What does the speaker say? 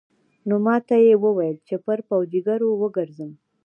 نو ماته يې وويل چې پر پوجيگرو وگرځم.